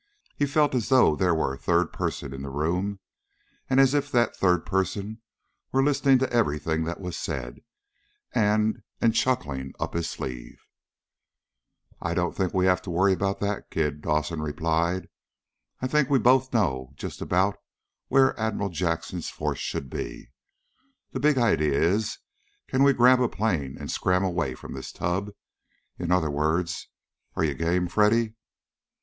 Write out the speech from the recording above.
He felt as though there were a third person in the room, and as if that third person were listening to everything that was said, and and chuckling up his sleeve. "I don't think we have to worry about that, kid," Dawson replied. "I think we both know just about where Admiral Jackson's force should be. The big idea is, can we grab a plane and scram away from this tub? In other words, are you game, Freddy?"